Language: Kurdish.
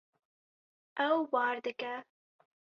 Ew bar dike.